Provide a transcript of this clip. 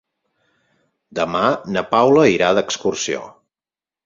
Demà na Paula irà d'excursió.